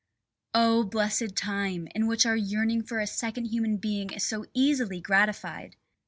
Oh! blessed time, in which our yearning for a second human being is so easily gratified!